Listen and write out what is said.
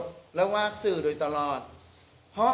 แต่เจ้าตัวก็ไม่ได้รับในส่วนนั้นหรอกนะครับ